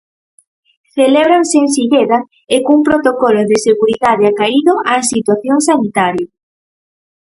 Celébranse en Silleda e cun protocolo de seguridade acaído á situación sanitaria.